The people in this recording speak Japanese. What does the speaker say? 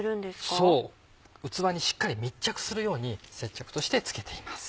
そう器にしっかり密着するように接着として付けています。